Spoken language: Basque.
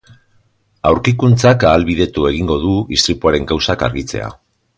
Aurkikuntzak ahalbidetu egingo du istripuaren kausak argitzea.